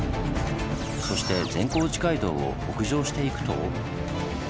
そして善光寺街道を北上していくと。